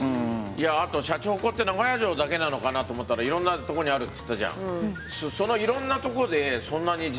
あとシャチホコって名古屋城だけなのかなと思ったらいろんなとこにあるっつったじゃん。